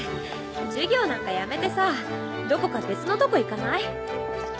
授業なんかやめてさどこか別のとこ行かない？